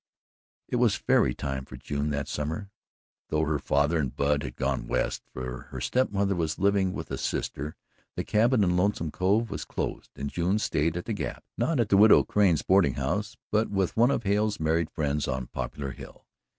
It was fairy time for June that summer, though her father and Bud had gone West, for her step mother was living with a sister, the cabin in Lonesome Cove was closed and June stayed at the Gap, not at the Widow Crane's boarding house, but with one of Hale's married friends on Poplar Hill.